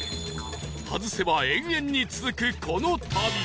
外せば永遠に続くこの旅